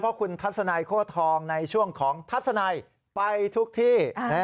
เพราะคุณทัศนัยโค้ทองในช่วงของทัศนัยไปทุกที่